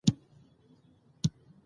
هغه په خپلې بې وسۍ اوښکې توې کړې.